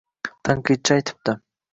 Tanqidchi aytibdi: